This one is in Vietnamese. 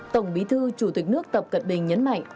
tổng bí thư chủ tịch nước tập cận bình nhấn mạnh